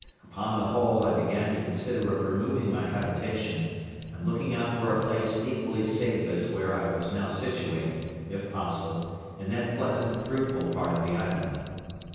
Upon the whole, I began to consider of removing my habitation, and looking out for a place equally safe as where now I was situate, if possible, in that pleasant, fruitful part of the island.